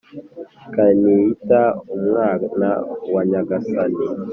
ikaniyita umwana wa Nyagasani.